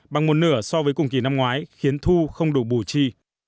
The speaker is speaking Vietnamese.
bằng một nửa so với cùng kỳ năm ngoái khiến thu không đủ bù chi